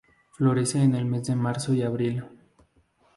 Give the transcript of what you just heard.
Florece en el mes de marzo y abril.